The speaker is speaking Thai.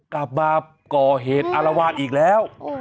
กลับมาก่อเหตุอารวาสอีกแล้ว